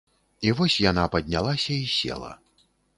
І вось яна паднялася і села.